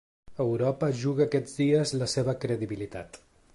Europa es juga aquests dies la seva credibilitat.